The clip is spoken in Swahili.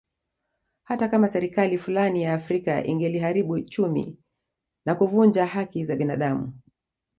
Hata kama serikali fulani ya Afrika ingeliharibu uchumi na kuvunja haki za binadamu